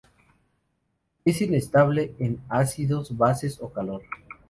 Es inestable en ácidos, bases o calor.